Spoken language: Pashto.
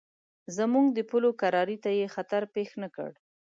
زموږ د پولو کرارۍ ته یې خطر پېښ نه کړ.